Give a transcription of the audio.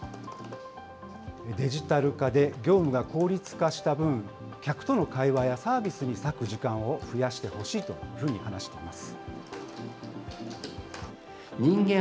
デジタル化で業務が効率化した分、客との会話やサービスに割く時間を増やしてほしいというふうに話しています。